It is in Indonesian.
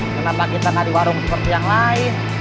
kenapa kita cari warung seperti yang lain